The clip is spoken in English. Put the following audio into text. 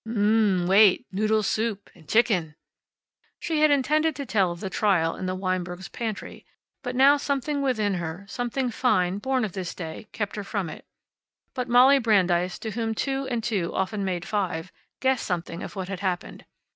"M m m wait! Noodle soup. And chicken!" She had intended to tell of the trial in the Weinberg's pantry. But now something within her something fine, born of this day kept her from it. But Molly Brandeis, to whom two and two often made five, guessed something of what had happened.